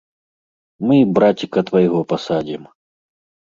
Мы і браціка твайго пасадзім.